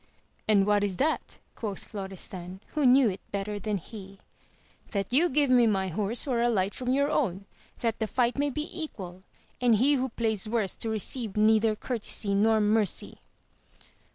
And what is that? quoth Florestan, who knew it better than he. — That you give me my horse or alight from your own, that the fight may be equal, and he who plays worst to receive neither courtesy nor mercy.